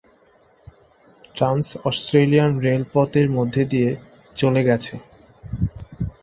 Trans-Australian রেলপথ এর মধ্য দিয়ে চলে গেছে।